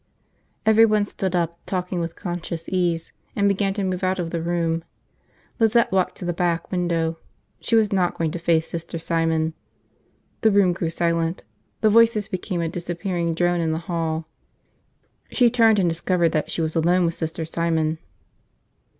Everyone stood up, talking with conscious ease, and began to move out of the room. Lizette walked to the back windows. She was not going to face Sister Simon. The room grew silent, the voices became a disappearing drone in the hall. She turned, and discovered that she was alone with Sister Simon.